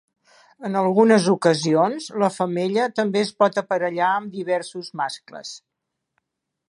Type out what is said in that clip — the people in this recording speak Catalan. En algunes ocasions, la femella també es pot aparellar amb diversos mascles.